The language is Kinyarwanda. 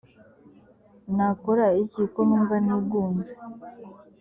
nakora iki ko numva nigunze ‽